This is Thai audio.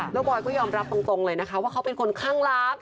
แล้วบอยก็ยอมรับตรงเลยนะคะว่าเขาเป็นคนข้างรัก